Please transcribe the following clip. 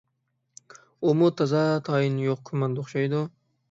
ئۇمۇ تازا تايىنى يوق كوماندا ئوخشايدۇ.